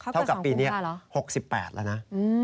เท่ากับปีนี้๖๘แล้วนะ